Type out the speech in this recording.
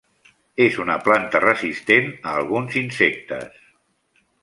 És una planta resistent a alguns insectes.